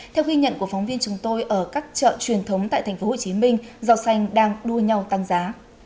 theo ghi nhận của phóng viên chúng tôi ở các chợ truyền thống tại tp hcm rau xanh đang đua nhau tăng giá